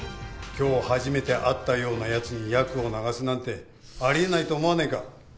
今日初めて会ったようなやつにヤクを流すなんてあり得ないと思わねえか？